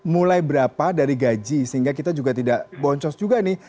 mulai berapa dari gaji sehingga kita juga tidak boncos juga nih